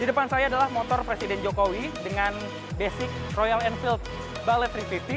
di depan saya adalah motor presiden jokowi dengan basic royal enfield balet tiga ratus lima puluh